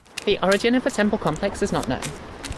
The origin of the temple complex is not known.